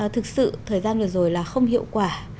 thực sự thời gian vừa rồi là không hiệu quả